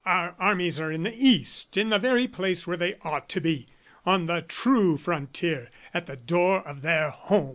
Our armies are in the East, in the very place where they ought to be, on the true frontier, at the door of their home.